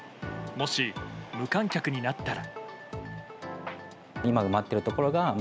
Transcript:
もし無観客になったら。